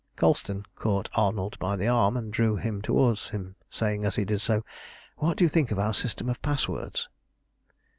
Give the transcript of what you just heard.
Colston caught Arnold by the arm, and drew him towards him, saying as he did so "What do you think of our system of passwords?"